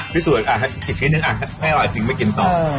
พิสูจน์อ่ะให้อร่อยสิไม่กินต่อ